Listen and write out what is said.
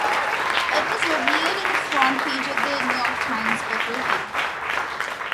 It was reviewed on the front page of "The New York Times Book Review".